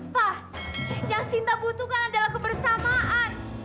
wah yang sinta butuhkan adalah kebersamaan